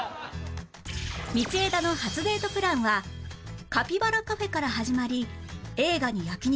道枝の初デートプランはカピバラカフェから始まり映画に焼肉